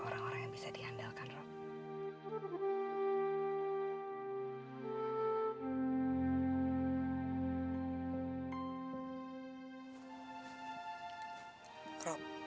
orang orang yang bisa diandalkan rob